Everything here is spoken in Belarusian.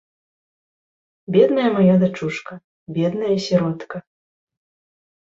Бедная мая дачушка, бедная сіротка.